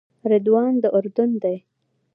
رضوان د اردن دی.